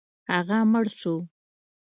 هغه مړ شو.